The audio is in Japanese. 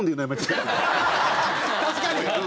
確かに！